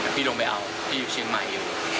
พี่ลงไปเอาพี่อยู่เชียงใหม่อยู่